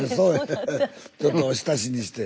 ちょっとおひたしにして。